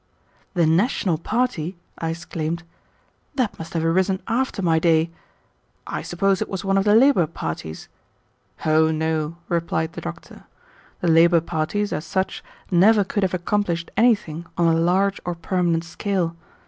"The national party!" I exclaimed. "That must have arisen after my day. I suppose it was one of the labor parties." "Oh no!" replied the doctor. "The labor parties, as such, never could have accomplished anything on a large or permanent scale.